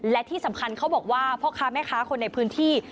และที่สำคัญเขาบอกว่าพ่อค้าแม่ค้าคนในพื้นที่